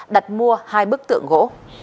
đặt mua hai bức tượng gỗ